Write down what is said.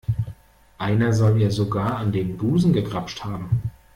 Einer soll ihr sogar an den Busen gegrapscht haben.